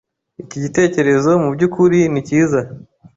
Iki gitekerezo mubyukuri ni cyiza.